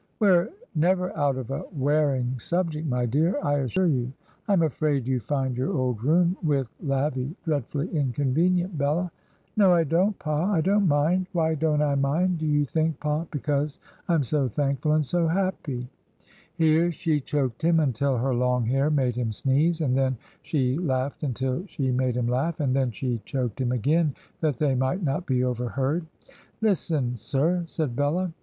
We're never out of a wearing sub ject, my dear, I assure you. I am afraid you find your 158 Digitized by VjOOQIC DICKENS'S LATER HEROINES old room with Lavvy dreadfully inconvenient, Bella/ 'No, I don't, pa; I don't mind. Why don't I mind, do you think, pa. ... Because I am so thankful and so happy!' Here she choked him until her long hair made him sneeze, and then she laughed until she made him laugh, and then she choked him again that they might not be overheard. 'Listen, sir,' said Bella.